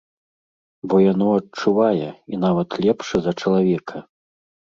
Бо яно адчувае, і нават лепш за чалавека.